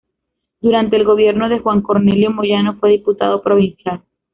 Durante el gobierno de Juan Cornelio Moyano fue diputado provincial.